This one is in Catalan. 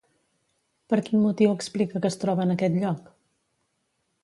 Per quin motiu explica que es troba en aquest lloc?